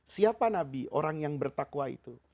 siapa nabi orang yang bertakwa itu